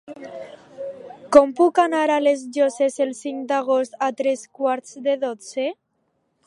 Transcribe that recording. Com puc anar a les Llosses el cinc d'agost a tres quarts de dotze?